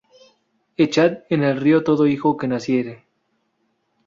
Echad en el río todo hijo que naciere.